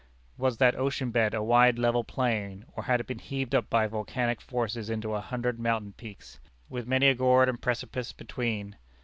Was that ocean bed a wide level plain, or had it been heaved up by volcanic forces into a hundred mountain peaks, with many a gorge and precipice between?